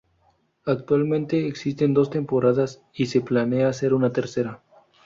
Actualmente existen dos temporadas, y se planea hacer una tercera.